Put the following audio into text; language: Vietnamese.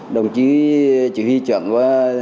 đồng chí chỉ huy trưởng